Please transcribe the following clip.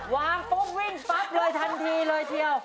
วางปุ๊บวิ่งปั๊บเลยทันทีเลยทีเดียว